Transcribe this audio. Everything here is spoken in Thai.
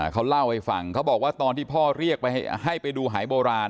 เขาเล่าให้ฟังเขาบอกว่าตอนที่พ่อเรียกให้ไปดูหายโบราณ